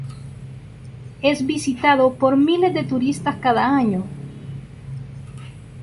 Es visitado por miles de turistas cada año.